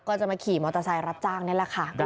ก็จะมาขี่รับจ้างนี่แหละค่ะ